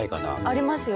ありますよ。